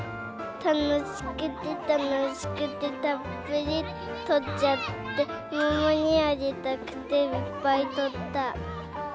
楽しくて楽しくて、たっぷり取っちゃって、ママにあげたくていっぱい取った。